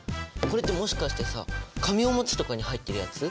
これってもしかしてさ紙オムツとかに入ってるやつ？